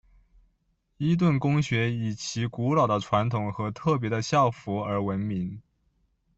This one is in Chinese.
伊顿公学以其古老的传统和特别的校服而闻名。